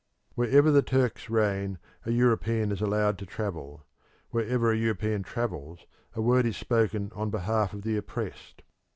Wherever the Turks reign a European is allowed to travel; wherever a European travels a word is spoken on behalf of the oppressed.